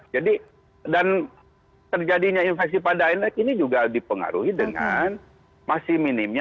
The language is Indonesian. jadi dan terjadinya infeksi pada anak ini juga dipengaruhi dengan masih minimnya